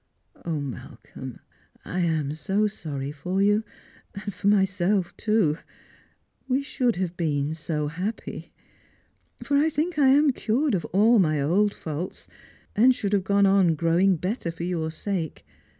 O Malcolm, I am so sorry for you; and for myself, too. We should have been so hapjiy ; for I think I am cured of all my old faults, and should have gone on growing better for your sake.